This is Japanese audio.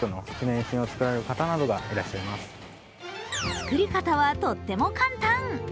作り方はとっても簡単。